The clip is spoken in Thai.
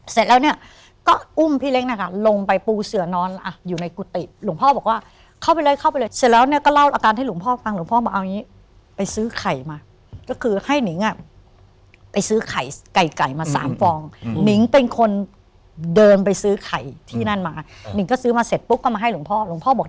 เสร็จแล้วเนี่ยก็อุ้มพี่เล็กนะคะลงไปปูเสือนอนอ่ะอยู่ในกุฏิหลวงพ่อบอกว่าเข้าไปเลยเข้าไปเลยเสร็จแล้วเนี่ยก็เล่าอาการให้หลวงพ่อฟังหลวงพ่อมาเอาอย่างงี้ไปซื้อไข่มาก็คือให้นิงอ่ะไปซื้อไข่ไก่ไก่มาสามฟองนิงเป็นคนเดินไปซื้อไข่ที่นั่นมานิงก็ซื้อมาเสร็จปุ๊บก็มาให้หลวงพ่อหลวงพ่อบอก